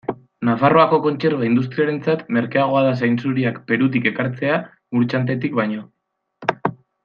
Nafarroako kontserba industriarentzat merkeagoa da zainzuriak Perutik ekartzea Murchantetik baino.